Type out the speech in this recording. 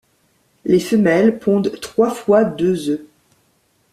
Les femelles pondent trois fois deux œufs.